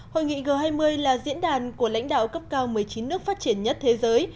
hội nghị g hai mươi là diễn đàn của lãnh đạo cấp cao một mươi chín nước phát triển nhất thế giới